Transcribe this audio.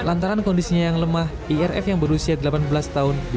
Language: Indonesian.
lantaran kondisinya yang lemah irf yang berusia delapan belas tahun